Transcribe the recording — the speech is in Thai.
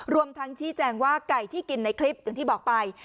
รวมทั้งชี้แจงว่าไก่ที่กินในคลิปอย่างที่บอกไป